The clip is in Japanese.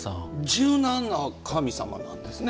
柔軟な神様なんですね。